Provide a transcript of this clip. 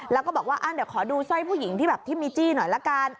แล้วก็บอกว่าเดี๋ยวขอดูสร้อยผู้หญิงที่แบบที่มีจี้หน่อยละกัน